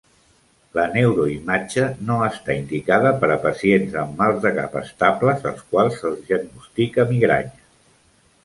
La neuroimatge no està indicada per a pacients amb mals de cap estables als quals se'ls diagnostica migranya.